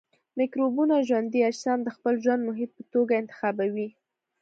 مکروبونه ژوندي اجسام د خپل ژوند محیط په توګه انتخابوي.